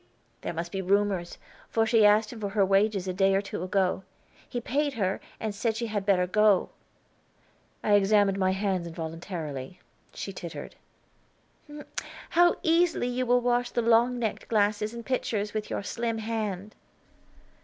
"There must be rumors; for she asked him for her wages a day or two ago. He paid her, and said she had better go." I examined my hands involuntarily. She tittered. "How easily you will wash the long necked glasses and pitchers, with your slim hand!"